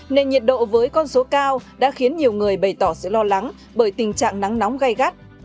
nên nhiệt độ với con số cao đã khiến nhiều người bày tỏ sự lo lắng bởi tình trạng nắng nóng gai gắt